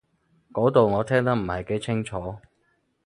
嗰度我聽得唔係幾清楚